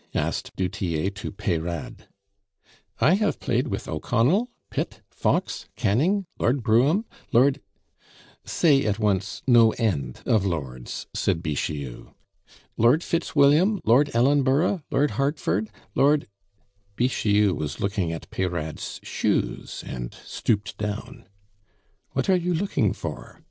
asked du Tillet to Peyrade. "I have played with O'Connell, Pitt, Fox, Canning, Lord Brougham, Lord " "Say at once no end of lords," said Bixiou. "Lord Fitzwilliam, Lord Ellenborough, Lord Hertford, Lord " Bixiou was looking at Peyrade's shoes, and stooped down. "What are you looking for?"